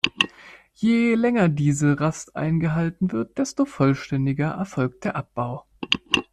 Je länger diese Rast eingehalten wird, desto vollständiger erfolgt der Abbau.